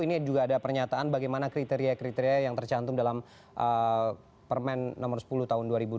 ini juga ada pernyataan bagaimana kriteria kriteria yang tercantum dalam permen nomor sepuluh tahun dua ribu dua puluh